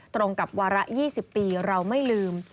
ตรงกับวาระ๒๐ปีเราไม่ลืม